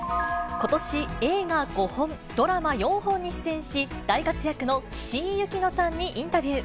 ことし、映画５本、ドラマ４本に出演し、大活躍の岸井ゆきのさんにインタビュー。